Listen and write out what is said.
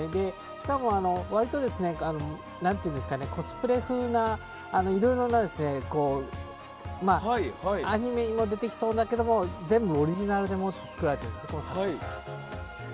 しかも、割とコスプレ風ないろいろなアニメにも出てきそうだけど全部オリジナルで作られています。